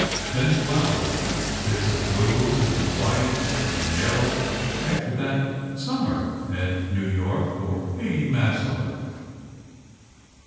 Then flowers, bits of blue and white and yellow ... after that, summer, and New York, or maybe Massillon.